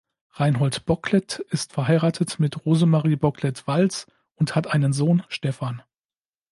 Reinhold Bocklet ist verheiratet mit Rosemarie Bocklet-Wals und hat einen Sohn Stephan.